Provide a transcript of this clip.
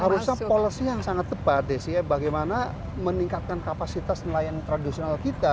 harusnya policy yang sangat tepat desi ya bagaimana meningkatkan kapasitas nelayan tradisional kita